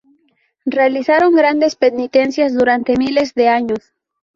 Realizaron grandes penitencias durante miles de años.